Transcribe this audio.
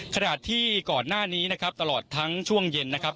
ขณะที่ก่อนหน้านี้นะครับตลอดทั้งช่วงเย็นนะครับ